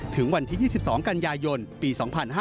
ถึงวันที่๒๒กันยายนปี๒๕๕๙